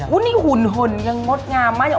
อุ๊ยนี่หุ่นยังงดงามมาก